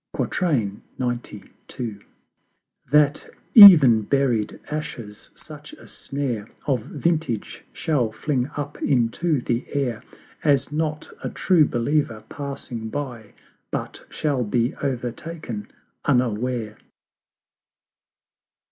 XCII. That ev'n buried Ashes such a snare Of Vintage shall fling up into the Air As not a True believer passing by But shall be overtaken unaware.